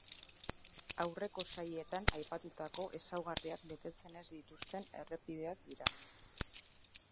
Aurreko sailetan aipatutako ezaugarriak betetzen ez dituzten errepideak dira.